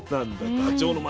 ダチョウの町。